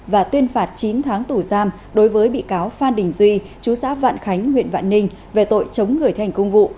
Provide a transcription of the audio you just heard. và tuyên phạt chín tháng tù giam đối với bị cáo phan đình duy chú xã vạn khánh huyện vạn ninh về tội chống người thi hành công vụ